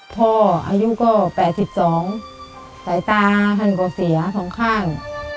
พ่ออายุก็๘๒แต่ตาหันกว่าเสียของข้าง